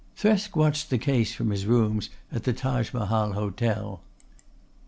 Thresk watched the case from his rooms at the Taj Mahal Hotel.